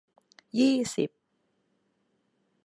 ยี่สิบ